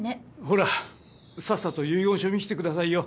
ほらさっさと遺言書見せてくださいよ。